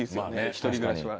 一人暮らしは。